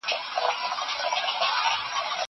دا ليک له هغه ښه دی.